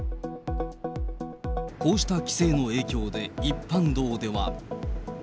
こうした規制の影響で一般道では。